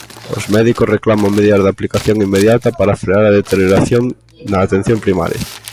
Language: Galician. Os médicos reclaman medidas de aplicación inmediata para frear a deterioración na atención primaria.